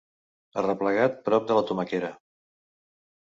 Arreplegat prop de la tomaquera.